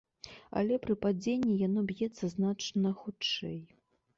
Але пры падзенні яно б'ецца значна хутчэй.